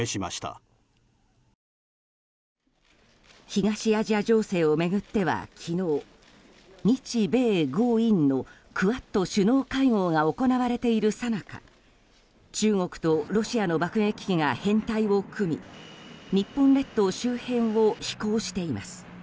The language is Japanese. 東アジア情勢をめぐっては昨日、日米豪印のクアッド首脳会合が行われているさなか中国とロシアの爆撃機が編隊を組み日本列島周辺を飛行しています。